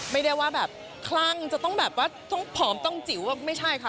ไม่ได้ว่าแบบคลั่งจะต้องแบบว่าต้องผอมต้องจิ๋วไม่ใช่ค่ะ